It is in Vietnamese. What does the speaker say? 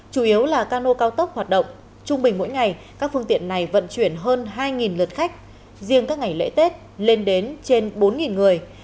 chủ yếu là cano cao tốc hoạt động trung bình mỗi ngày các phương tiện này vận chuyển hơn hai lượt khách riêng các ngày lễ tết lên đến trên bốn người